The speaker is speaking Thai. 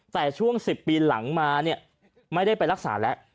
แต่ช่วง๑๐ปีหลังมาเนี่ยไม่ได้ไปรักษาแล้ว